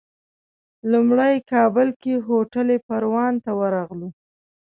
لومړی کابل کې هوټل پروان ته ورغلو.